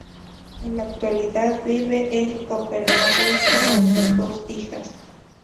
En la actualidad vive en Copenhague con sus dos hijas.